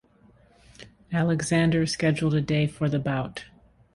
Alexander scheduled a day for the bout.